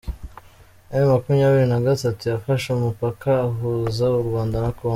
M makumyabiri nagatatu yafashe umupaka uhuza u Rwanda na Congo